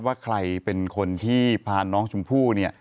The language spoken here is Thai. ว่าใครเป็นคนที่พาน้องชมพู่เนี่ย